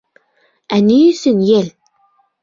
— Ә ни өсөн ел?